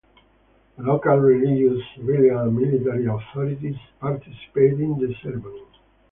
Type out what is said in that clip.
The local religious, civilian and military authorities participate in the ceremony.